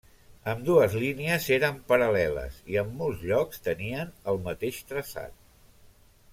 Ambdues línies eren paral·leles i en molts llocs tenien el mateix traçat.